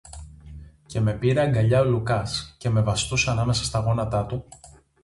Και με πήρε αγκαλιά ο Λουκάς, και με βαστούσε ανάμεσα στα γόνατα του